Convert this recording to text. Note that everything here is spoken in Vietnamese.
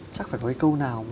chắc phải có cái câu nào